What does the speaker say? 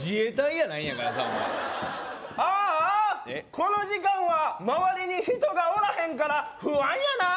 この時間は周りに人がおらへんから不安やなあ